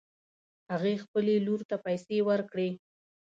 هغې خپلې لور ته پیسې ورکړې